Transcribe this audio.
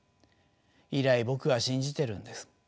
以来僕は信じてるんです。